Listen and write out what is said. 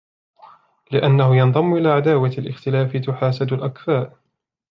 لِأَنَّهُ يَنْضَمُّ إلَى عَدَاوَةِ الِاخْتِلَافِ تَحَاسُدُ الْأَكْفَاءِ